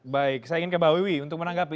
baik saya ingin ke mbak wiwi untuk menanggapi